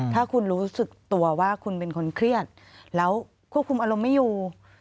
ถ้าคุณรู้สึกตัวว่าคุณเป็นคนเครียดแล้วควบคุมอารมณ์ไม่อยู่